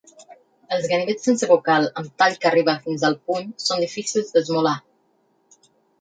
Els ganivets sense bocal, amb tall que arriba fins al puny són difícils d'esmolar.